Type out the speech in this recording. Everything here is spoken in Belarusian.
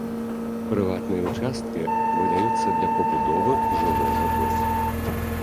Прыватныя ўчасткі выдаюцца для пабудовы жылога дома.